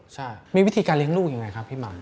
ใช่มีวิธีการเลี้ยงลูกยังไงครับพี่หม่ำ